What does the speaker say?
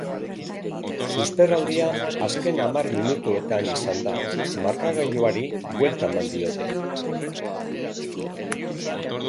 Susperraldia azken hamar minutuetan izan da, markagailuari buelta eman diote.